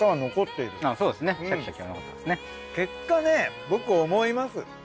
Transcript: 結果ね僕思います。